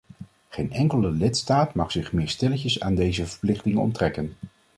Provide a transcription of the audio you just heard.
Geen enkele lidstaat mag zich meer stilletjes aan deze verplichtingen onttrekken.